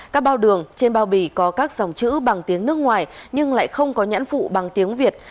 các bao đường trên bao bì có các dòng chữ bằng tiếng nước ngoài nhưng lại không có nhãn phụ bằng tiếng việt